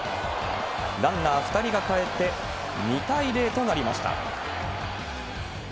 ランナー２人がかえって、２対０となりました。